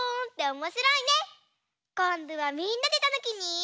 こんどはみんなでたぬきに。